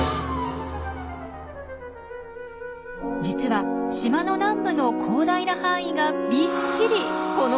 実は島の南部の広大な範囲がびっしりこの状態なんです！